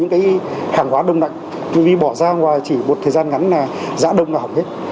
cái hàng hóa đông nặng vì bỏ ra ngoài chỉ một thời gian ngắn là giã đông là hỏng hết